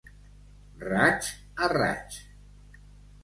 Raig a raig.